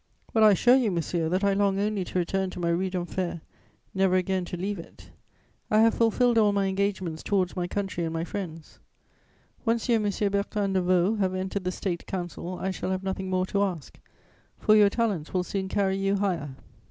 "Well, I assure you, monsieur, that I long only to return to my Rue d'Enfer, never again to leave it. I have fulfilled all my engagements towards my country and my friends. Once you and M. Bertin de Vaux have entered the State Council, I shall have nothing more to ask, for your talents will soon carry you higher.